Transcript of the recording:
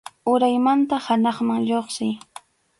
Uraymanta hanaqman lluqsiy.